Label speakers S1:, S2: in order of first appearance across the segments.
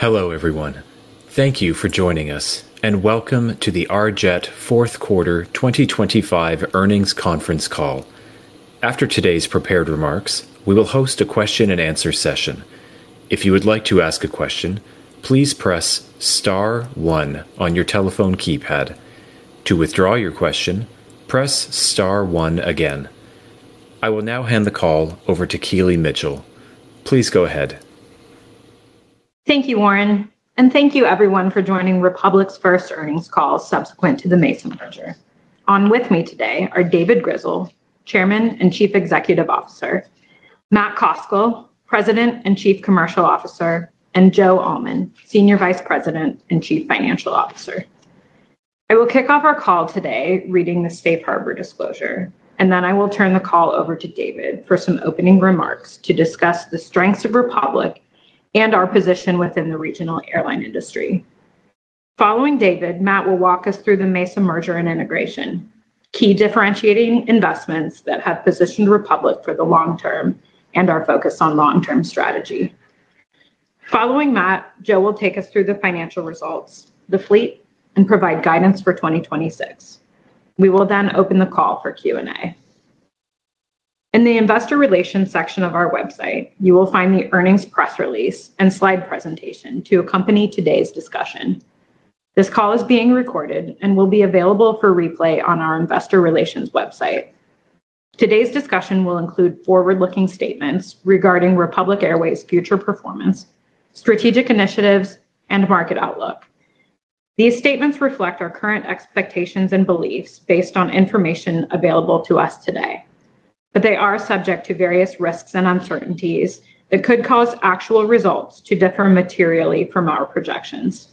S1: Hello, everyone. Thank you for joining us and welcome to the RJET Q4 2025 earnings conference call. After today's prepared remarks, we will host a question and answer session. If you would like to ask a question, please press star one on your telephone keypad. To withdraw your question, press star one again. I will now hand the call over to Keely Mitchell. Please go ahead.
S2: Thank you, Warren, and thank you everyone for joining Republic's first earnings call subsequent to the Mesa merger. On with me today are David Grizzle, Chairman and Chief Executive Officer, Matt Koscal, President and Chief Commercial Officer, and Joe Allman, Senior Vice President and Chief Financial Officer. I will kick off our call today reading the safe harbor disclosure, then I will turn the call over to David for some opening remarks to discuss the strengths of Republic and our position within the regional airline industry. Following David, Matt will walk us through the Mesa merger and integration, key differentiating investments that have positioned Republic for the long term and our focus on long-term strategy. Following Matt, Joe will take us through the financial results, the fleet and provide guidance for 2026. We will open the call for Q&A. In the investor relations section of our website, you will find the earnings press release and slide presentation to accompany today's discussion. This call is being recorded and will be available for replay on our investor relations website. Today's discussion will include forward-looking statements regarding Republic Airways future performance, strategic initiatives and market outlook. These statements reflect our current expectations and beliefs based on information available to us today, but they are subject to various risks and uncertainties that could cause actual results to differ materially from our projections.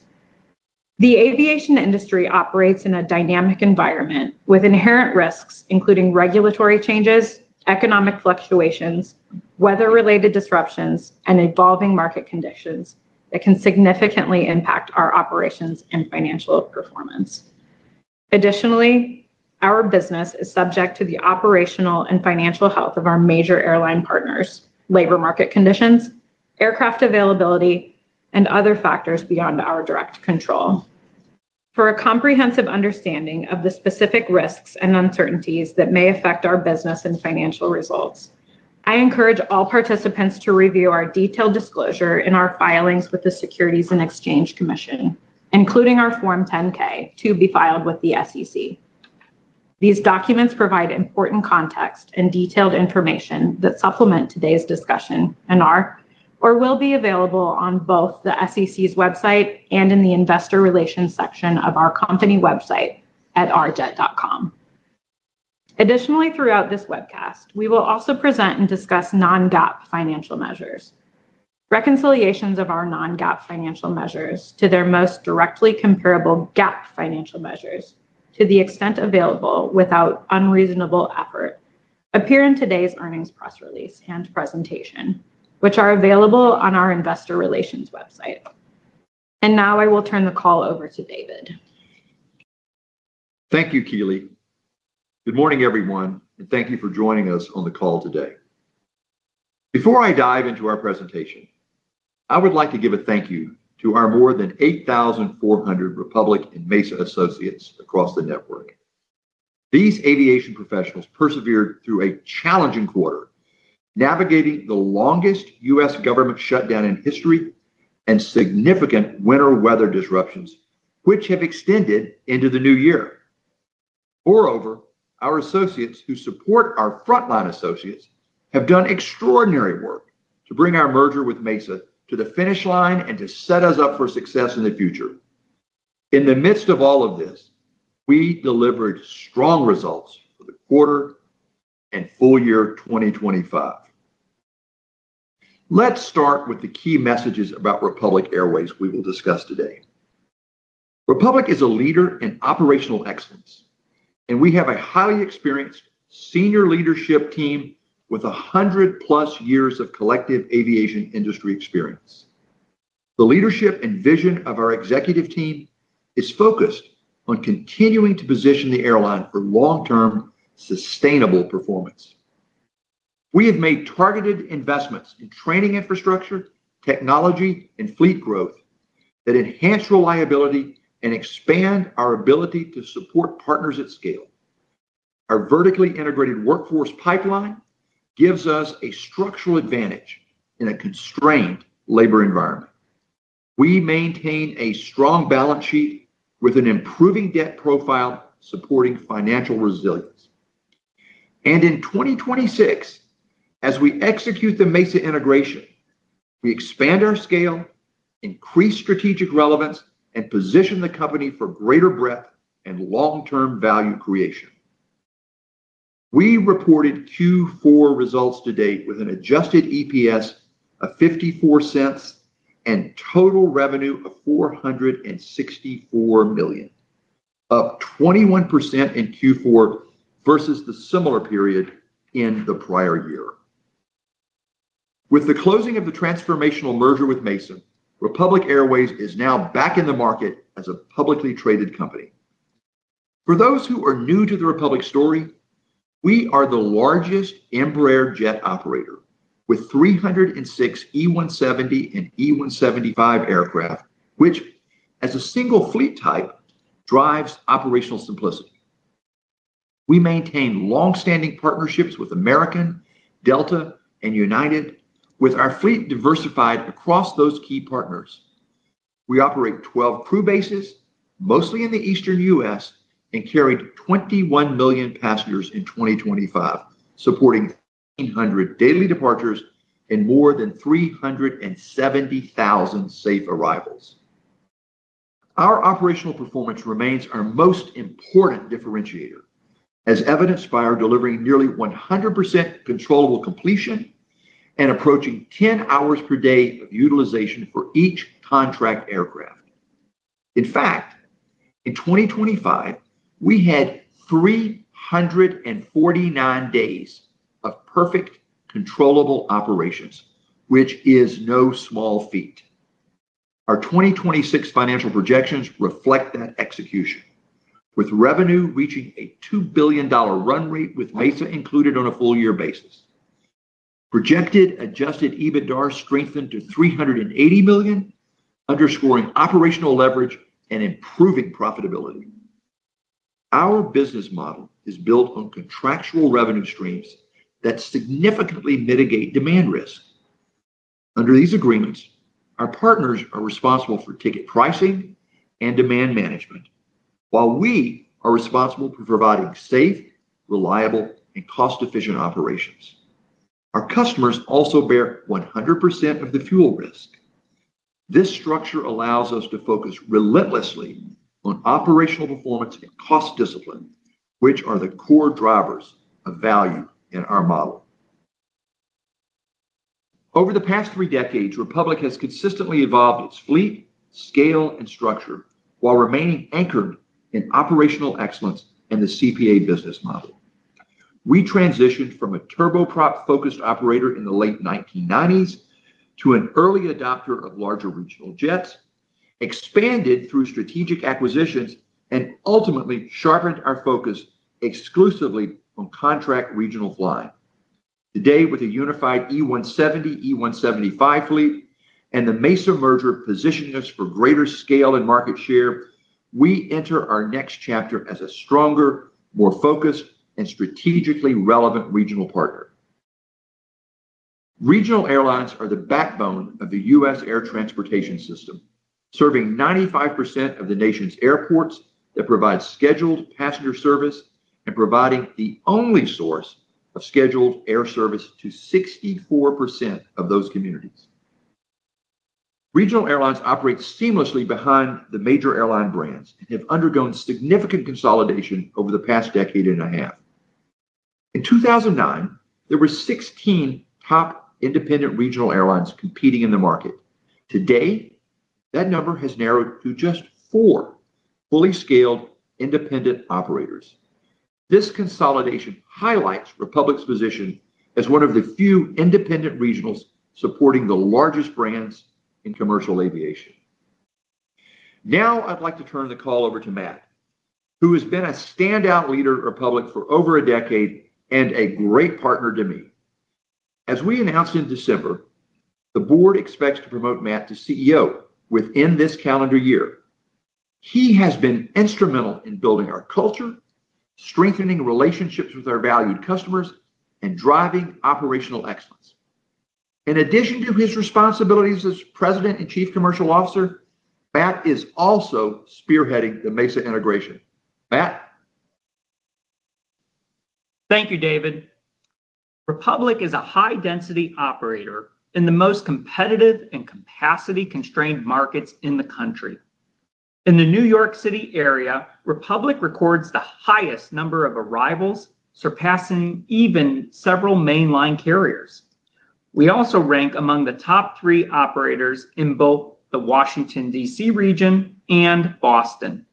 S2: The aviation industry operates in a dynamic environment with inherent risks, including regulatory changes, economic fluctuations, weather-related disruptions, and evolving market conditions that can significantly impact our operations and financial performance. Additionally, our business is subject to the operational and financial health of our major airline partners, labor market conditions, aircraft availability, and other factors beyond our direct control. For a comprehensive understanding of the specific risks and uncertainties that may affect our business and financial results, I encourage all participants to review our detailed disclosure in our filings with the Securities and Exchange Commission, including our Form 10-K to be filed with the SEC. These documents provide important context and detailed information that supplement today's discussion and are or will be available on both the SEC's website and in the investor relations section of our company website at rjet.com. Additionally, throughout this webcast, we will also present and discuss non-GAAP financial measures. Reconciliations of our non-GAAP financial measures to their most directly comparable GAAP financial measures, to the extent available without unreasonable effort, appear in today's earnings press release and presentation, which are available on our investor relations website. Now I will turn the call over to David.
S3: Thank you, Keely. Good morning, everyone, thank you for joining us on the call today. Before I dive into our presentation, I would like to give a thank you to our more than 8,400 Republic and Mesa associates across the network. These aviation professionals persevered through a challenging quarter, navigating the longest US government shutdown in history and significant winter weather disruptions which have extended into the new year. Moreover, our associates who support our frontline associates have done extraordinary work to bring our merger with Mesa to the finish line and to set us up for success in the future. In the midst of all of this, we delivered strong results for the quarter and full year 2025. Let's start with the key messages about Republic Airways we will discuss today. Republic is a leader in operational excellence, and we have a highly experienced senior leadership team with 100+ years of collective aviation industry experience. The leadership and vision of our executive team is focused on continuing to position the airline for long-term sustainable performance. We have made targeted investments in training infrastructure, technology and fleet growth that enhance reliability and expand our ability to support partners at scale. Our vertically integrated workforce pipeline gives us a structural advantage in a constrained labor environment. We maintain a strong balance sheet with an improving debt profile, supporting financial resilience. In 2026, as we execute the Mesa integration, we expand our scale, increase strategic relevance and position the company for greater breadth and long-term value creation. We reported Q4 results to date with an adjusted EPS of $0.54 and total revenue of $464 million, up 21% in Q4 versus the similar period in the prior year. With the closing of the transformational merger with Mesa, Republic Airways is now back in the market as a publicly traded company. For those who are new to the Republic story, we are the largest Embraer jet operator with 306 E-170 and E-175 aircraft, which as a single fleet type drives operational simplicity. We maintain long-standing partnerships with American, Delta, and United, with our fleet diversified across those key partners. We operate 12 crew bases, mostly in the Eastern US, and carried 21 million passengers in 2025, supporting 800 daily departures and more than 370,000 safe arrivals. Our operational performance remains our most important differentiator, as evidenced by our delivering nearly 100% controllable completion and approaching 10 hours per day of utilization for each contract aircraft. In 2025, we had 349 days of perfect controllable operations, which is no small feat. Our 2026 financial projections reflect that execution, with revenue reaching a $2 billion run rate with Mesa included on a full year basis. Projected adjusted EBITDAR strengthened to $380 million, underscoring operational leverage and improving profitability. Our business model is built on contractual revenue streams that significantly mitigate demand risk. Under these agreements, our partners are responsible for ticket pricing and demand management, while we are responsible for providing safe, reliable, and cost-efficient operations. Our customers also bear 100% of the fuel risk. This structure allows us to focus relentlessly on operational performance and cost discipline, which are the core drivers of value in our model. Over the past three decades, Republic has consistently evolved its fleet, scale, and structure while remaining anchored in operational excellence in the CPA business model. We transitioned from a turboprop-focused operator in the late 1990s to an early adopter of larger regional jets, expanded through strategic acquisitions and ultimately sharpened our focus exclusively on contract regional flying. Today with a unified E-170, E-175 fleet and the Mesa merger positioning us for greater scale and market share, we enter our next chapter as a stronger, more focused and strategically relevant regional partner. Regional airlines are the backbone of the US Air Transportation System, serving 95% of the nation's airports that provide scheduled passenger service and providing the only source of scheduled air service to 64% of those communities. Regional airlines operate seamlessly behind the major airline brands and have undergone significant consolidation over the past decade and a half. In 2009, there were 16 top independent regional airlines competing in the market. Today, that number has narrowed to just four fully scaled independent operators. This consolidation highlights Republic's position as one of the few independent regionals supporting the largest brands in commercial aviation. Now I'd like to turn the call over to Matt, who has been a standout leader at Republic for over a decade and a great partner to me. As we announced in December, the board expects to promote Matt to CEO within this calendar year. He has been instrumental in building our culture, strengthening relationships with our valued customers, and driving operational excellence. In addition to his responsibilities as President and Chief Commercial Officer, Matt is also spearheading the Mesa integration. Matt?
S4: Thank you, David. Republic is a high-density operator in the most competitive and capacity-constrained markets in the country. In the New York City area, Republic records the highest number of arrivals, surpassing even several mainline carriers. We also rank among the top three operators in both the Washington D.C. region and Boston.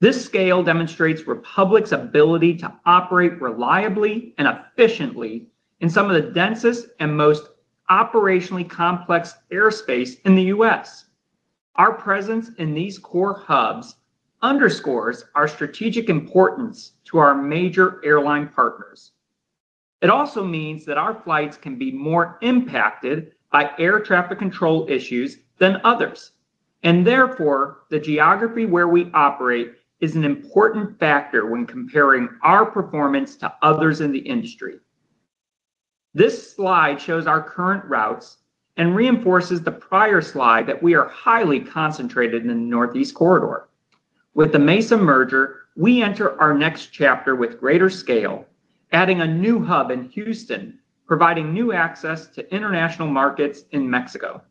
S4: This scale demonstrates Republic's ability to operate reliably and efficiently in some of the densest and most operationally complex airspace in the US Our presence in these core hubs underscores our strategic importance to our major airline partners. It also means that our flights can be more impacted by air traffic control issues than others, and therefore, the geography where we operate is an important factor when comparing our performance to others in the industry. This slide shows our current routes and reinforces the prior slide that we are highly concentrated in the Northeast Corridor. With the Mesa merger, we enter our next chapter with greater scale, adding a new hub in Houston, providing new access to international markets in Mexico.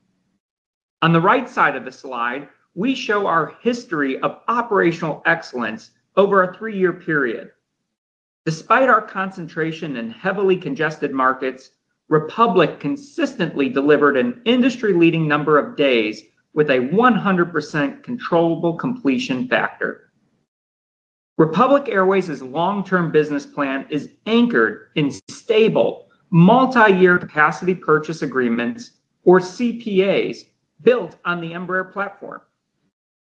S4: On the right side of the slide, we show our history of operational excellence over a three-year period. Despite our concentration in heavily congested markets, Republic consistently delivered an industry-leading number of days with a 100% controllable completion factor. Republic Airways' long-term business plan is anchored in stable multi-year Capacity Purchase Agreements or CPAs. Built on the Embraer platform,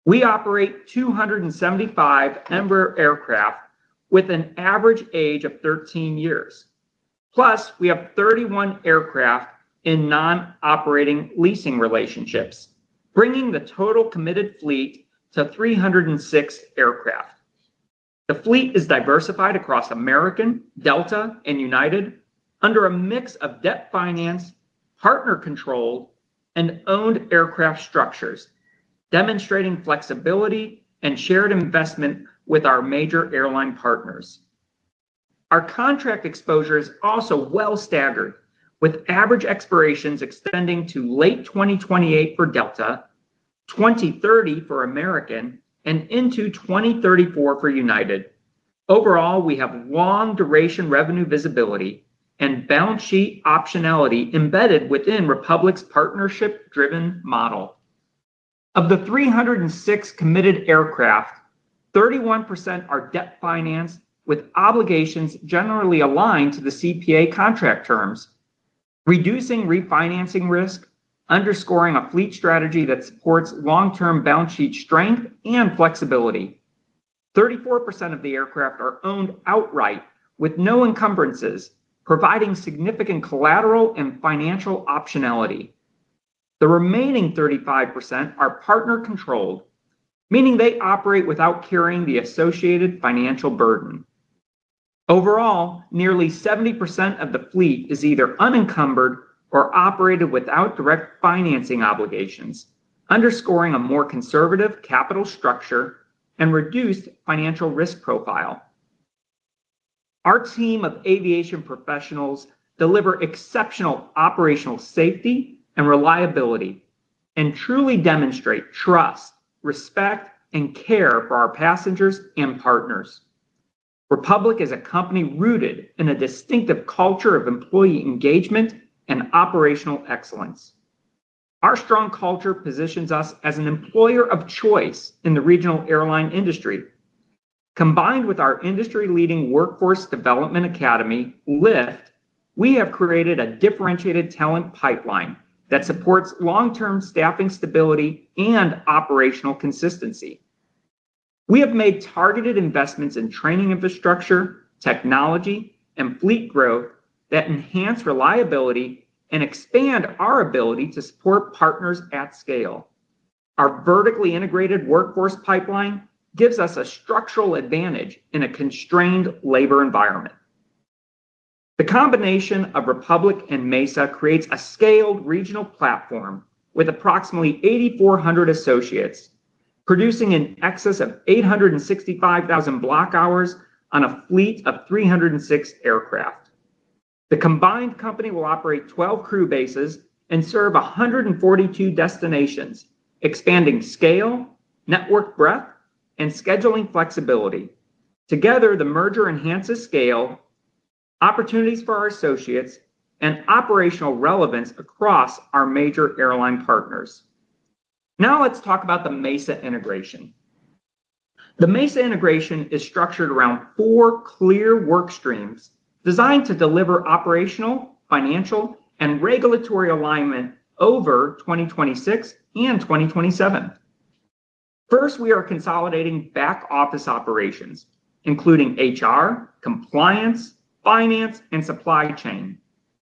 S4: we operate 275 Embraer aircraft with an average age of 13 years. Plus, we have 31 aircraft in non-operating leasing relationships, bringing the total committed fleet to 306 aircraft. The fleet is diversified across American Airlines, Delta Air Lines, and United Airlines under a mix of debt finance, partner-controlled and owned aircraft structures, demonstrating flexibility and shared investment with our major airline partners. Our contract exposure is also well staggered, with average expirations extending to late 2028 for Delta Air Lines, 2030 for American Airlines, and into 2034 for United Airlines. Overall, we have long duration revenue visibility and balance sheet optionality embedded within Republic Airways' partnership-driven model. Of the 306 committed aircraft, 31% are debt-financed, with obligations generally aligned to the CPA contract terms, reducing refinancing risk, underscoring a fleet strategy that supports long-term balance sheet strength and flexibility. 34% of the aircraft are owned outright with no encumbrances, providing significant collateral and financial optionality. The remaining 35% are partner-controlled, meaning they operate without carrying the associated financial burden. Overall, nearly 70% of the fleet is either unencumbered or operated without direct financing obligations, underscoring a more conservative capital structure and reduced financial risk profile. Our team of aviation professionals deliver exceptional operational safety and reliability and truly demonstrate trust, respect and care for our passengers and partners. Republic is a company rooted in a distinctive culture of employee engagement and operational excellence. Our strong culture positions us as an employer of choice in the regional airline industry. Combined with our industry-leading Workforce Development Academy, LIFT, we have created a differentiated talent pipeline that supports long-term staffing stability and operational consistency. We have made targeted investments in training infrastructure, technology and fleet growth that enhance reliability and expand our ability to support partners at scale. Our vertically integrated workforce pipeline gives us a structural advantage in a constrained labor environment. The combination of Republic and Mesa creates a scaled regional platform with approximately 8,400 associates producing in excess of 865,000 block hours on a fleet of 306 aircraft. The combined company will operate 12 crew bases and serve 142 destinations, expanding scale, network breadth and scheduling flexibility. The merger enhances scale, opportunities for our associates, and operational relevance across our major airline partners. Let's talk about the Mesa integration. The Mesa integration is structured around four clear work streams designed to deliver operational, financial and regulatory alignment over 2026 and 2027. We are consolidating back-office operations, including HR, compliance, finance and supply chain.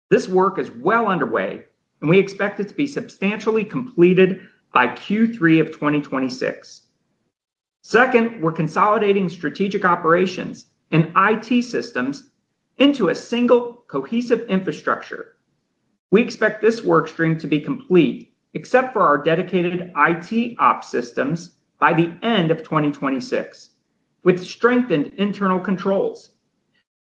S4: This work is well underway, and we expect it to be substantially completed by Q3 of 2026. We're consolidating strategic operations and IT systems into a single cohesive infrastructure. We expect this work stream to be complete except for our dedicated IT ops systems by the end of 2026 with strengthened internal controls.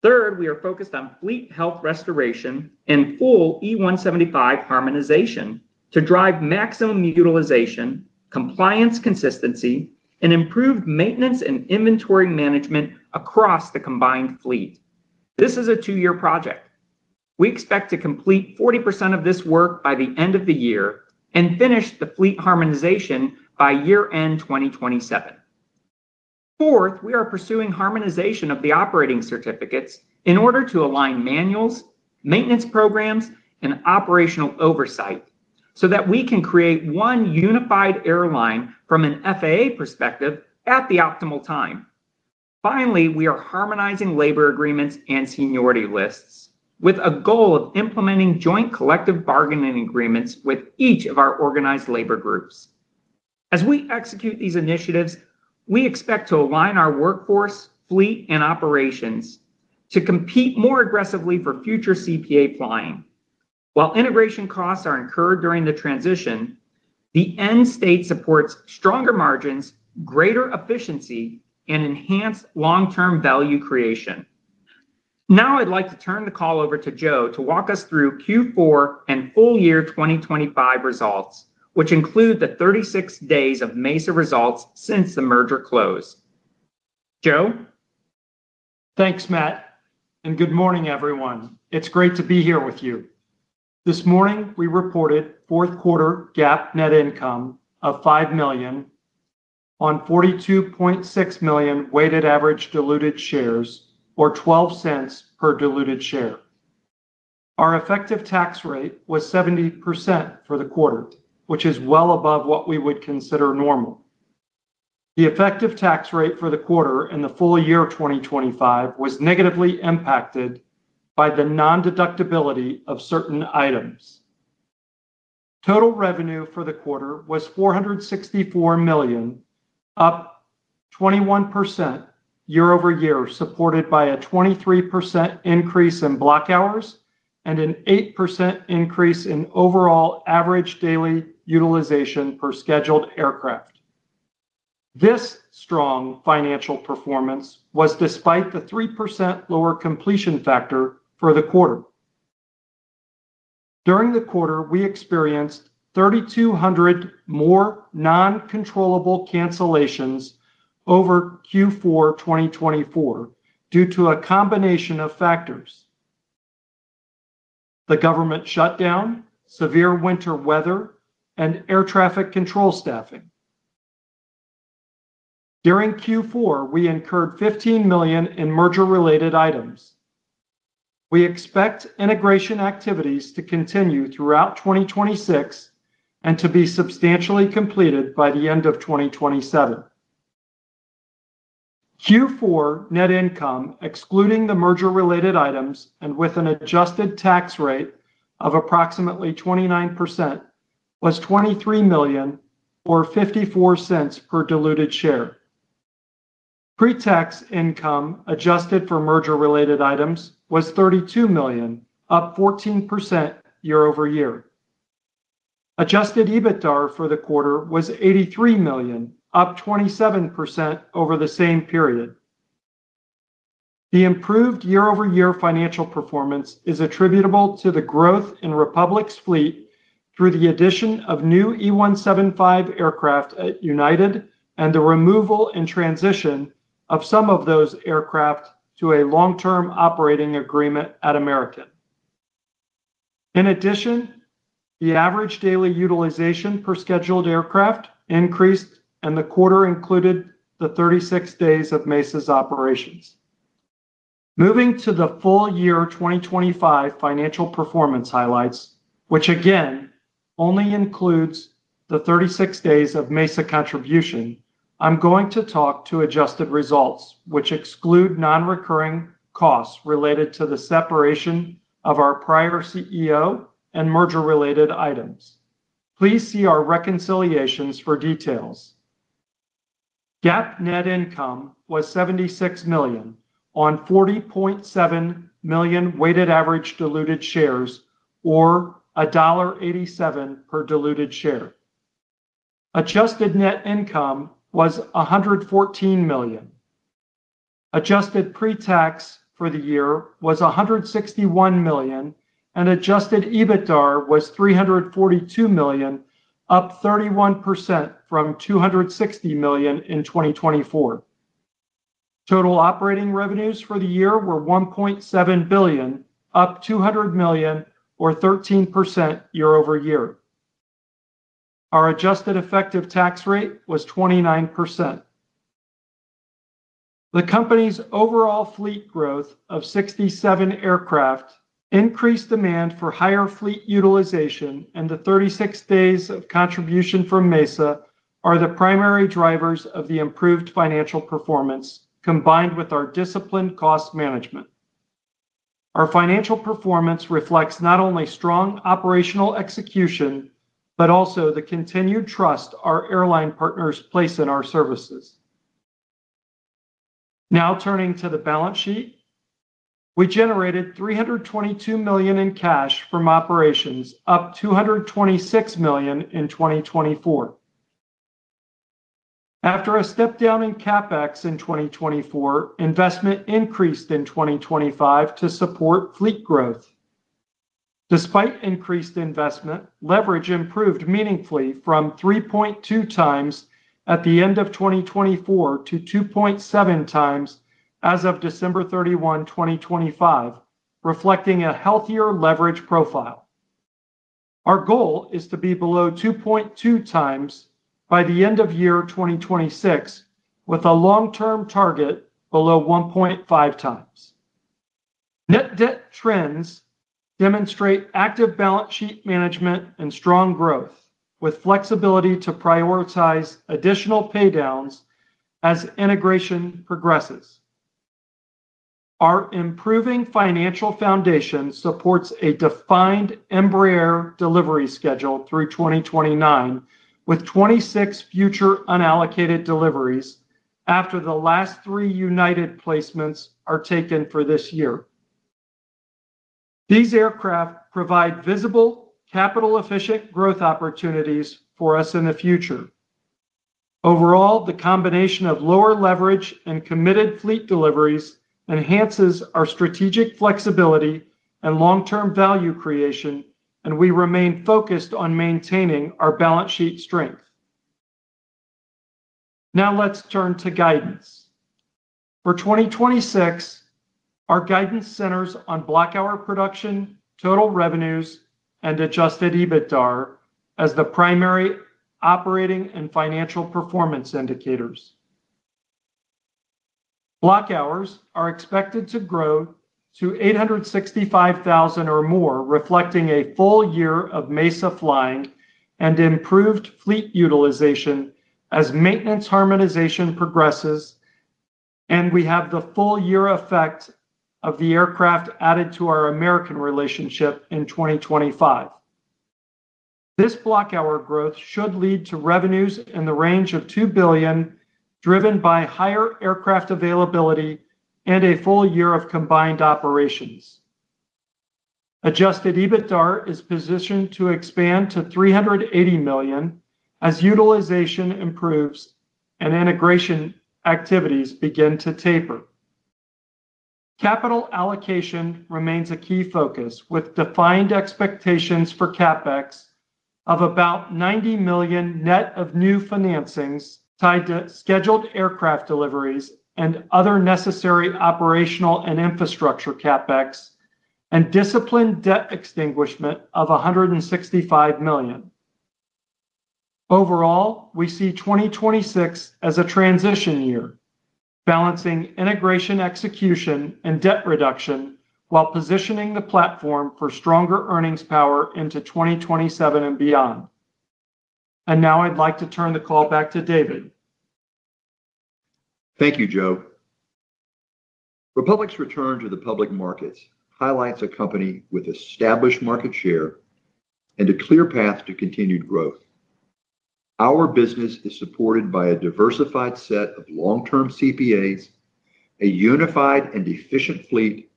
S4: Third, we are focused on fleet health restoration and full E-175 harmonization to drive maximum utilization, compliance consistency and improved maintenance and inventory management across the combined fleet. This is a two-year project. We expect to complete 40% of this work by the end of the year and finish the fleet harmonization by year-end 2027. Fourth, we are pursuing harmonization of the operating certificates in order to align manuals, maintenance programs and operational oversight so that we can create one unified airline from an FAA perspective at the optimal time. Finally, we are harmonizing labor agreements and seniority lists with a goal of implementing joint collective bargaining agreements with each of our organized labor groups. As we execute these initiatives, we expect to align our workforce, fleet and operations to compete more aggressively for future CPA flying. While integration costs are incurred during the transition, the end state supports stronger margins, greater efficiency and enhanced long-term value creation. I'd like to turn the call over to Joe to walk us through Q4 and full year 2025 results, which include the 36 days of Mesa results since the merger closed. Joe?
S5: Thanks, Matt. Good morning, everyone. It's great to be here with you. This morning, we reported Q4 GAAP net income of $5 million on $42.6 million weighted average diluted shares or $0.12 per diluted share. Our effective tax rate was 70% for the quarter, which is well above what we would consider normal. The effective tax rate for the quarter and the full year of 2025 was negatively impacted by the non-deductibility of certain items. Total revenue for the quarter was $464 million, up 21% year-over-year, supported by a 23% increase in block hours and an 8% increase in overall average daily utilization per scheduled aircraft. This strong financial performance was despite the 3% lower completion factor for the quarter. During the quarter, we experienced 3,200 more non-controllable cancellations over Q4 2024 due to a combination of factors: the government shutdown, severe winter weather, and air traffic control staffing. During Q4, we incurred $15 million in merger-related items. We expect integration activities to continue throughout 2026 and to be substantially completed by the end of 2027. Q4 net income, excluding the merger-related items and with an adjusted tax rate of approximately 29%, was $23 million or $0.54 per diluted share. Pre-tax income adjusted for merger-related items was $32 million, up 14% year-over-year. Adjusted EBITDAR for the quarter was $83 million, up 27% over the same period. The improved year-over-year financial performance is attributable to the growth in Republic's fleet through the addition of new E-175 aircraft at United and the removal and transition of some of those aircraft to a long-term operating agreement at American. The average daily utilization per scheduled aircraft increased, and the quarter included the 36 days of Mesa's operations. Moving to the full year 2025 financial performance highlights, which again only includes the 36 days of Mesa contribution, I'm going to talk to adjusted results which exclude non-recurring costs related to the separation of our prior CEO and merger-related items. Please see our reconciliations for details. GAAP net income was $76 million on $40.7 million weighted average diluted shares or $1.87 per diluted share. Adjusted net income was $114 million. Adjusted pre-tax for the year was $161 million. Adjusted EBITDAR was $342 million, up 31% from $260 million in 2024. Total operating revenues for the year were $1.7 billion, up $200 million or 13% year-over-year. Our adjusted effective tax rate was 29%. The company's overall fleet growth of 67 aircraft increased demand for higher fleet utilization, and the 36 days of contribution from Mesa are the primary drivers of the improved financial performance, combined with our disciplined cost management. Our financial performance reflects not only strong operational execution but also the continued trust our airline partners place in our services. Turning to the balance sheet. We generated $322 million in cash from operations, up $226 million in 2024. After a step down in CapEx in 2024, investment increased in 2025 to support fleet growth. Despite increased investment, leverage improved meaningfully from 3.2x at the end of 2024 to 2.7x as of 31 December 2025, reflecting a healthier leverage profile. Our goal is to be below 2.2x by the end of year 2026, with a long-term target below 1.5x. Net debt trends demonstrate active balance sheet management and strong growth, with flexibility to prioritize additional paydowns as integration progresses. Our improving financial foundation supports a defined Embraer delivery schedule through 2029, with 26 future unallocated deliveries after the last three United placements are taken for this year. These aircraft provide visible capital-efficient growth opportunities for us in the future. Overall, the combination of lower leverage and committed fleet deliveries enhances our strategic flexibility and long-term value creation. We remain focused on maintaining our balance sheet strength. Now let's turn to guidance. For 2026, our guidance centers on block-hour production, total revenues, and adjusted EBITDAR as the primary operating and financial performance indicators. Block hours are expected to grow to 865,000 or more, reflecting a full year of Mesa flying and improved fleet utilization as maintenance harmonization progresses and we have the full year effect of the aircraft added to our American relationship in 2025. This block-hour growth should lead to revenues in the range of $2 billion, driven by higher aircraft availability and a full year of combined operations. Adjusted EBITDAR is positioned to expand to $380 million as utilization improves and integration activities begin to taper. Capital allocation remains a key focus, with defined expectations for CapEx of about $90 million net of new financings tied to scheduled aircraft deliveries and other necessary operational and infrastructure CapEx and disciplined debt extinguishment of $165 million. Overall, we see 2026 as a transition year, balancing integration execution and debt reduction while positioning the platform for stronger earnings power into 2027 and beyond. Now I'd like to turn the call back to David.
S3: Thank you, Joe. Republic's return to the public markets highlights a company with established market share and a clear path to continued growth. Our business is supported by a diversified set of long-term CPAs, a unified and efficient fleet,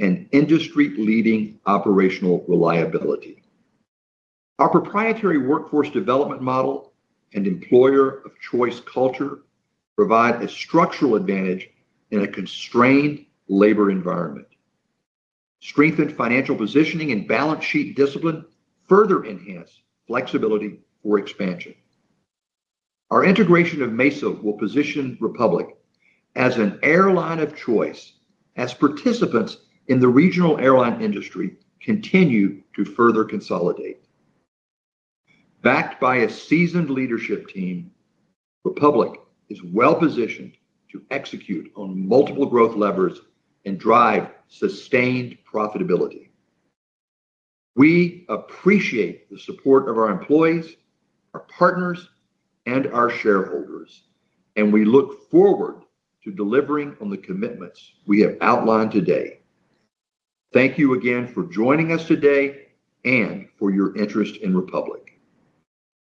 S3: and industry-leading operational reliability. Our proprietary workforce development model and employer of choice culture provide a structural advantage in a constrained labor environment. Strengthened financial positioning and balance sheet discipline further enhance flexibility for expansion. Our integration of Mesa will position Republic as an airline of choice as participants in the regional airline industry continue to further consolidate. Backed by a seasoned leadership team, Republic is well-positioned to execute on multiple growth levers and drive sustained profitability. We appreciate the support of our employees, our partners, and our shareholders, and we look forward to delivering on the commitments we have outlined today. Thank you again for joining us today and for your interest in Republic.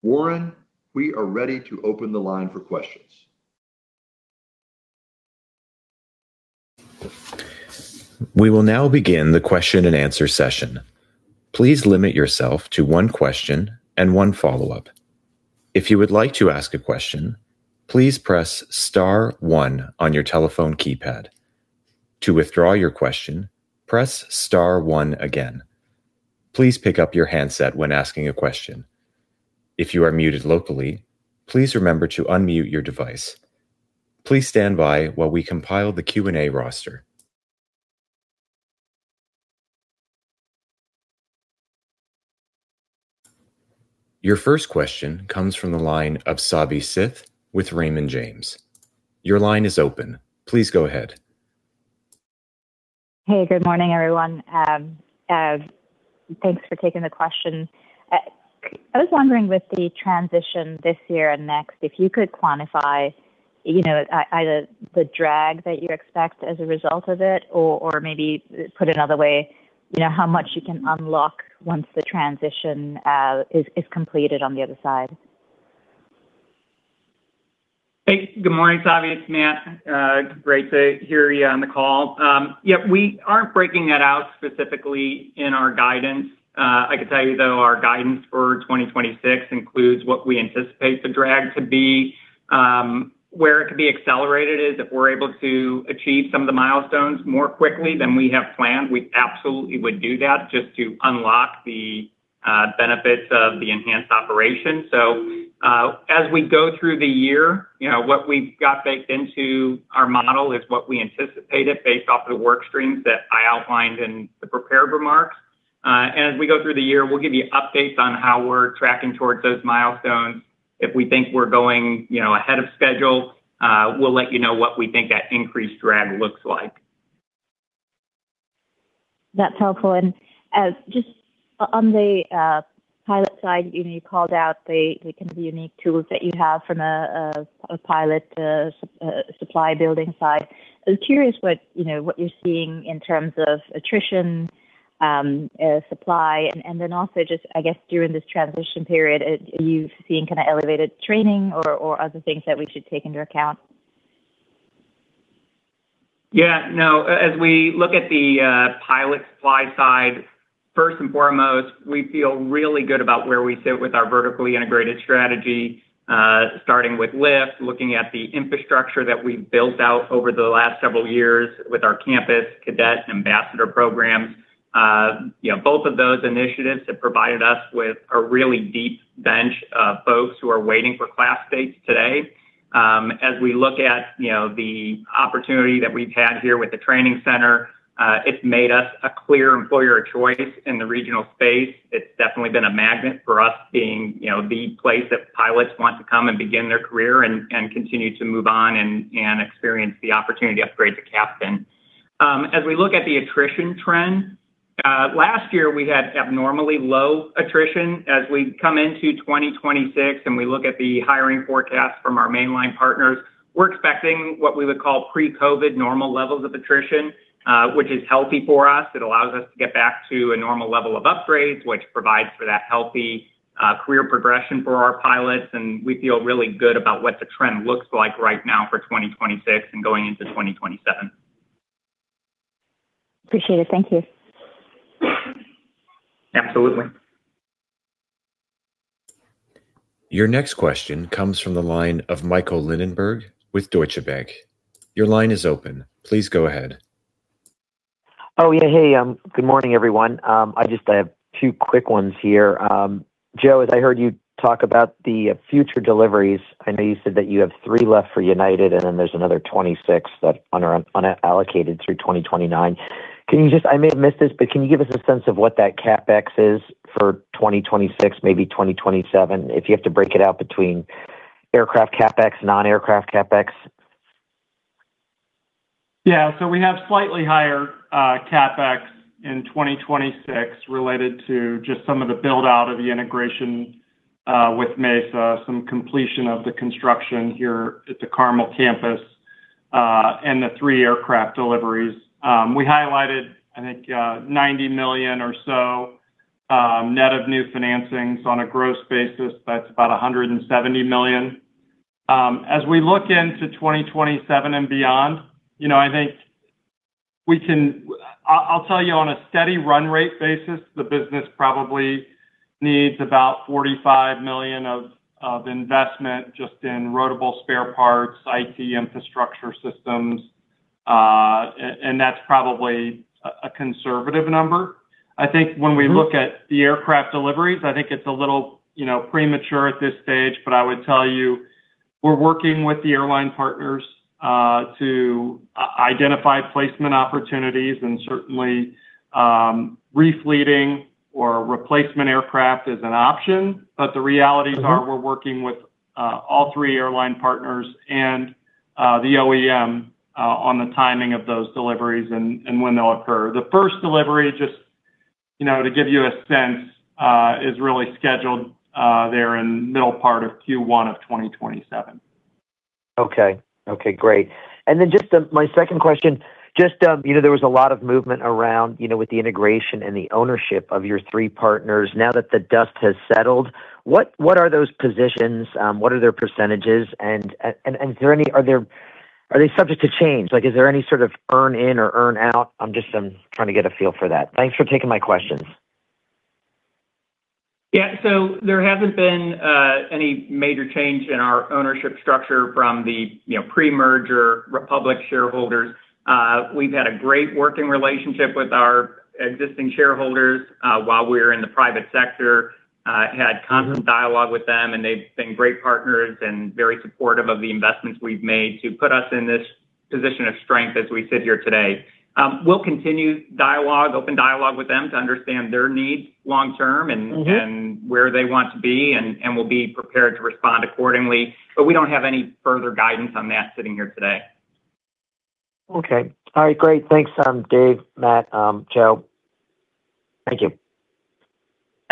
S3: Warren, we are ready to open the line for questions.
S1: We will now begin the question-and-answer session. Please limit yourself to one question and one follow-up. If you would like to ask a question, please press star one on your telephone keypad. To withdraw your question, press star one again. Please pick up your handset when asking a question. If you are muted locally, please remember to unmute your device. Please stand by while we compile the Q&A roster. Your first question comes from the line of Savi Syth with Raymond James. Your line is open. Please go ahead.
S6: Hey, good morning, everyone. Thanks for taking the question. I was wondering with the transition this year and next, if you could quantify, you know, either the drag that you expect as a result of it or maybe put another way, you know, how much you can unlock once the transition is completed on the other side?
S4: Hey, good morning, Savi. It's Matt Koscal. great to hear you on the call. Yeah, we aren't breaking that out specifically in our guidance. I can tell you though our guidance for 2026 includes what we anticipate the drag to be. Where it could be accelerated is if we're able to achieve some of the milestones more quickly than we have planned. We absolutely would do that just to unlock the benefits of the enhanced operation. As we go through the year, you know, what we've got baked into our model is what we anticipated based off of the work streams that I outlined in the prepared remarks. And as we go through the year, we'll give you updates on how we're tracking towards those milestones. If we think we're going, you know, ahead of schedule, we'll let you know what we think that increased drag looks like.
S6: That's helpful. Just on the pilot side, you know, you called out the kind of unique tools that you have from a pilot supply building side. I was curious what, you know, what you're seeing in terms of attrition, supply, and then also just, I guess, during this transition period, are you seeing kind of elevated training or other things that we should take into account?
S4: Yeah. No. As we look at the pilot supply side, first and foremost, we feel really good about where we sit with our vertically integrated strategy, starting with LIFT Academy, looking at the infrastructure that we've built out over the last several years with our campus cadet ambassador programs. You know, both of those initiatives have provided us with a really deep bench of folks who are waiting for class dates today. As we look at, you know, the opportunity that we've had here with the training center, it's made us a clear employer of choice in the regional space. It's definitely been a magnet for us being, you know, the place that pilots want to come and begin their career and continue to move on and experience the opportunity to upgrade to captain. As we look at the attrition trend, last year we had abnormally low attrition. As we come into 2026 and we look at the hiring forecast from our mainline partners, we're expecting what we would call pre-COVID normal levels of attrition, which is healthy for us. It allows us to get back to a normal level of upgrades, which provides for that healthy, career progression for our pilots. We feel really good about what the trend looks like right now for 2026 and going into 2027.
S6: Appreciate it. Thank you.
S4: Absolutely.
S1: Your next question comes from the line of Michael Linenberg with Deutsche Bank. Your line is open. Please go ahead.
S7: Oh, yeah. Hey, good morning, everyone. I just have two quick ones here. Joe, as I heard you talk about the future deliveries, I know you said that you have three left for United, and then there's another 26 that's unallocated through 2029. I may have missed this, but can you give us a sense of what that CapEx is for 2026, maybe 2027, if you have to break it out between aircraft CapEx, non-aircraft CapEx?
S8: We have slightly higher CapEx in 2026 related to just some of the build-out of the integration with Mesa, some completion of the construction here at the Carmel campus, and the three aircraft deliveries. We highlighted, I think, $90 million or so, net of new financings on a gross basis. That's about $170 million. As we look into 2027 and beyond, you know, I'll tell you on a steady run rate basis, the business probably needs about $45 million of investment just in rotable spare parts, IT infrastructure systems, and that's probably a conservative number. I think when we look at the aircraft deliveries, I think it's a little, you know, premature at this stage.
S4: I would tell you we're working with the airline partners to identify placement opportunities and certainly, repleting or replacement aircraft is an option. The realities are we're working with all three airline partners and the OEM on the timing of those deliveries and when they'll occur. The first delivery, just, you know, to give you a sense, is really scheduled there in middle part of Q1 of 2027.
S7: Okay. Okay, great. Just, my second question, you know, there was a lot of movement around, you know, with the integration and the ownership of your three partners. Now that the dust has settled, what are those positions? What are their percentages? Are they subject to change? Like, is there any sort of earn in or earn out? I'm just, trying to get a feel for that. Thanks for taking my questions.
S4: Yeah. There hasn't been any major change in our ownership structure from the, you know, pre-merger Republic shareholders. We've had a great working relationship with our existing shareholders while we were in the private sector, had constant dialogue with them, and they've been great partners and very supportive of the investments we've made to put us in this position of strength as we sit here today. We'll continue dialogue, open dialogue with them to understand their needs long term.
S7: Mm-hmm...
S4: and where they want to be, and we'll be prepared to respond accordingly. We don't have any further guidance on that sitting here today.
S7: Okay. All right, great. Thanks, Dave, Matt, Joe. Thank you.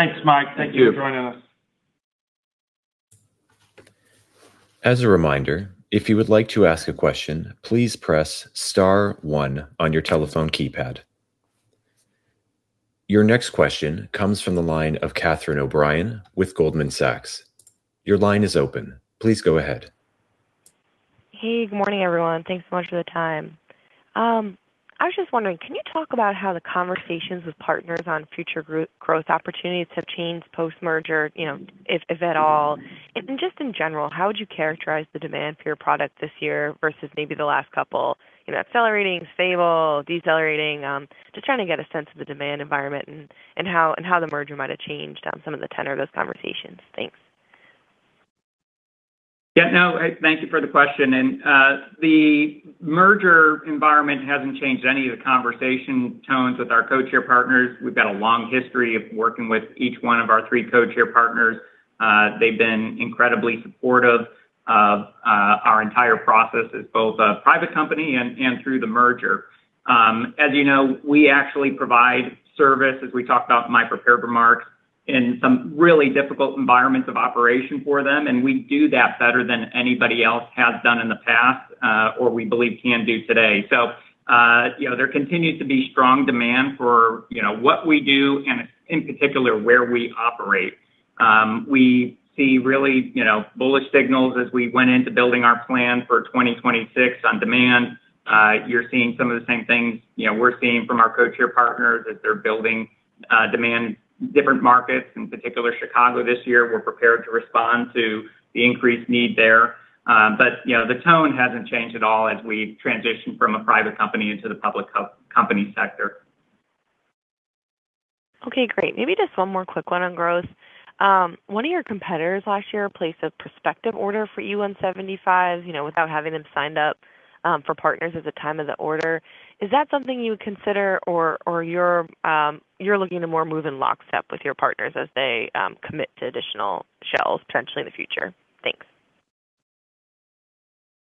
S4: Thanks, Mike. Thank you for joining us.
S1: As a reminder, if you would like to ask a question, please press star one on your telephone keypad. Your next question comes from the line of Catherine O'Brien with Goldman Sachs. Your line is open. Please go ahead.
S9: Hey, good morning, everyone. Thanks so much for the time. I was just wondering, can you talk about how the conversations with partners on future growth opportunities have changed post-merger, you know, if at all? Just in general, how would you characterize the demand for your product this year versus maybe the last couple? You know, accelerating, stable, decelerating? Just trying to get a sense of the demand environment and how the merger might have changed some of the tenor of those conversations. Thanks.
S4: Yeah, no, thank you for the question. The merger environment hasn't changed any of the conversation tones with our codeshare partners. We've got a long history of working with each one of our three codeshare partners. They've been incredibly supportive of our entire process as both a private company and through the merger. As you know, we actually provide service, as we talked about in my prepared remarks, in some really difficult environments of operation for them, and we do that better than anybody else has done in the past or we believe can do today. You know, there continues to be strong demand for, you know, what we do and in particular, where we operate. We see really, you know, bullish signals as we went into building our plan for 2026 on demand. You're seeing some of the same things, you know, we're seeing from our codeshare partners as they're building demand different markets, in particular Chicago this year. We're prepared to respond to the increased need there. You know, the tone hasn't changed at all as we transition from a private company into the public company sector.
S9: Great. Maybe just one more quick one on growth. One of your competitors last year placed a prospective order for you on E-175, you know, without having them signed up for partners at the time of the order. Is that something you would consider or you're looking to more move in lockstep with your partners as they commit to additional shelves potentially in the future? Thanks.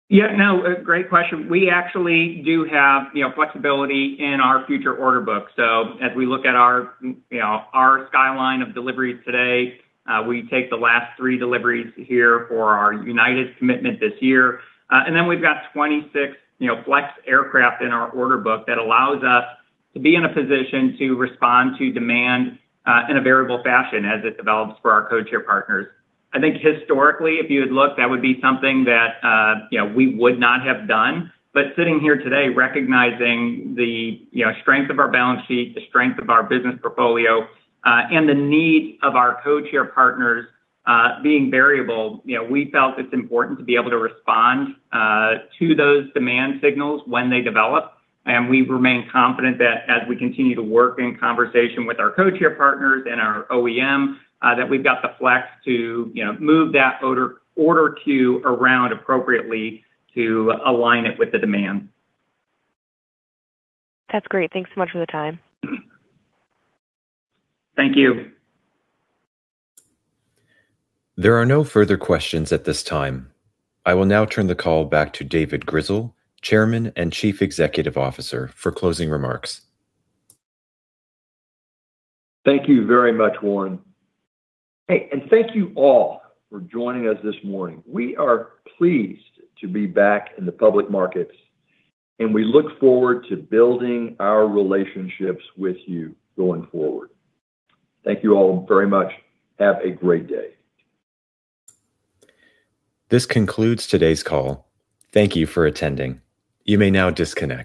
S4: Yeah, no, a great question. We actually do have, you know, flexibility in our future order book. As we look at our, you know, our skyline of deliveries today, we take the last three deliveries here for our United commitment this year. Then we've got 26, you know, flex aircraft in our order book that allows us to be in a position to respond to demand, in a variable fashion as it develops for our codeshare partners. I think historically, if you had looked, that would be something that, you know, we would not have done. Sitting here today, recognizing the, you know, strength of our balance sheet, the strength of our business portfolio, and the need of our codeshare partners, being variable, you know, we felt it's important to be able to respond to those demand signals when they develop. We remain confident that as we continue to work in conversation with our codeshare partners and our OEM, that we've got the flex to, you know, move that order queue around appropriately to align it with the demand.
S9: That's great. Thanks so much for the time.
S4: Thank you.
S1: There are no further questions at this time. I will now turn the call back to David Grizzle, Chairman and Chief Executive Officer, for closing remarks.
S3: Thank you very much, Warren. Hey, thank you all for joining us this morning. We are pleased to be back in the public markets, and we look forward to building our relationships with you going forward. Thank you all very much. Have a great day.
S1: This concludes today's call. Thank you for attending. You may now disconnect.